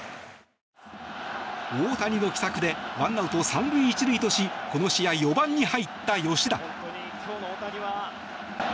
大谷の奇策で１アウト３塁１塁としこの試合、４番に入った吉田。